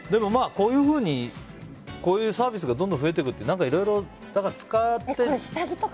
こういうふうにこういうサービスがどんどん増えていくって何かいろいろ使って。